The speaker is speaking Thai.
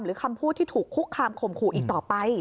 คำพูดที่ถูกคุกคามข่มขู่อีกต่อไป